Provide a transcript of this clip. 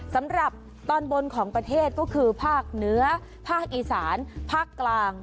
สำหรับตอนบนของประเทศก็คือภาคเหนือภาคอีสานภาคกลาง